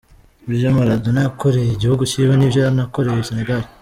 "Ivyo Maradona yakoreye igihugu ciwe nivyo nakoreye Senegal.